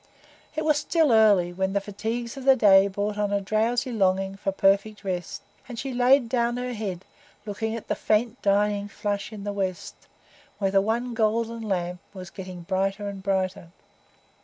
It was still early, when the fatigues of the day brought on a drowsy longing for perfect rest, and she laid down her head, looking at the faint, dying flush in the west, where the one golden lamp was getting brighter and brighter.